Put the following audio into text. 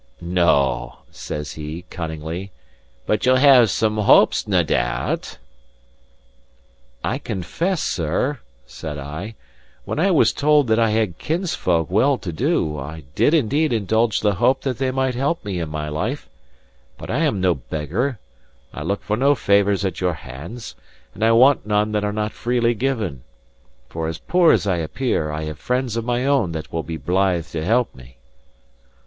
"No," says he, cunningly, "but ye'll have had some hopes, nae doubt?" "I confess, sir," said I, "when I was told that I had kinsfolk well to do, I did indeed indulge the hope that they might help me in my life. But I am no beggar; I look for no favours at your hands, and I want none that are not freely given. For as poor as I appear, I have friends of my own that will be blithe to help me."